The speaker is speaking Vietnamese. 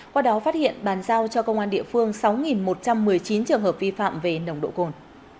qua đó phát hiện bàn giao cho công an địa phương sáu một trăm một mươi chín trường hợp vi phạm về nồng độ cồn